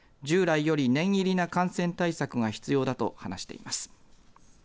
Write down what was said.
従来より念入りな感染対策が必要だと話しています。